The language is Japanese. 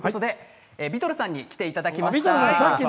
ヴィトルさんに来ていただきました。